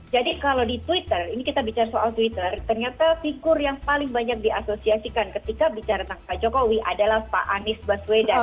jadi kalau di twitter ini kita bicara soal twitter ternyata figur yang paling banyak diasosiasikan ketika bicara tentang pak jokowi adalah pak anies baswedan gitu